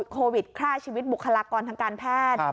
โควิดฆ่าชีวิตบุคลากรทางการแพทย์